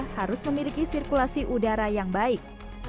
harus memiliki sirkulasi udara yang baik